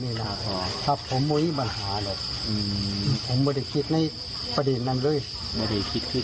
เลยกลับบ้านแล้วไม่ได้ไปหามันที่บ้านอีกเลยเนี่ย